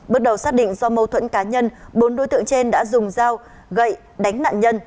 bước đầu xác định do mâu thuẫn cá nhân bốn đối tượng trên đã dùng dao gậy đánh nạn nhân